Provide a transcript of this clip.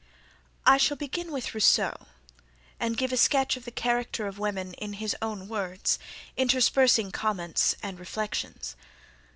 I shall begin with Rousseau, and give a sketch of the character of women in his own words, interspersing comments and reflections.